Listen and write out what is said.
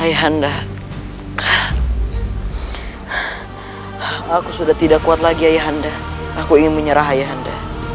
ayah anda aku sudah tidak kuat lagi ayah anda aku ingin menyerah ayah anda